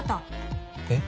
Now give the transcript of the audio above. えっ。